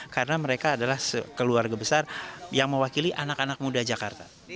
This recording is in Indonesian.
karena mereka adalah keluarga besar yang mewakili anak anak muda jakarta